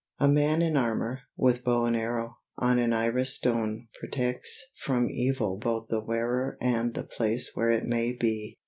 A man in armor, with bow and arrow, on an iris stone, protects from evil both the wearer and the place where it may be.